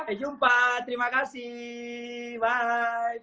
sampai jumpa terima kasih bye